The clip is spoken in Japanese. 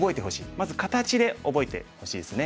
まず形で覚えてほしいですね。